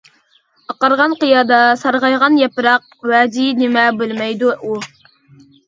ئاقارغان قىيادا سارغايغان ياپراق، ۋەجى نېمە بىلمەيدۇ ئۇ.